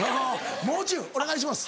もう中お願いします。